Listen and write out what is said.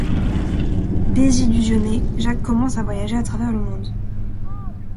Désillusionné, Jacques commence à voyager à travers le monde.